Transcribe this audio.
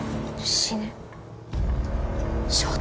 死ね。